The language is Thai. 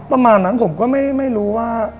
ประมาณนั้นผมก็ไม่รู้ว่า